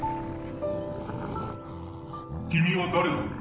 君は誰だ？